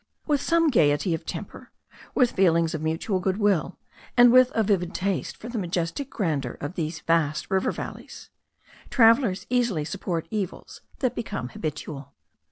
With some gaiety of temper, with feelings of mutual good will, and with a vivid taste for the majestic grandeur of these vast valleys of rivers, travellers easily support evils that become habitual.